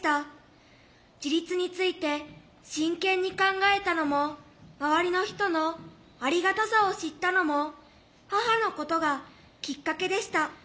自立について真剣に考えたのも周りの人のありがたさを知ったのも母のことがきっかけでした。